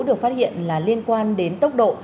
được phát hiện là liên quan đến tốc độ